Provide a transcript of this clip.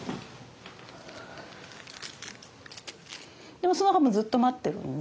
でもその間もずっと待ってるんで。